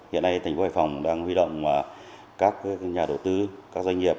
hiện nay thành phố hải phòng đang huy động các nhà đầu tư các doanh nghiệp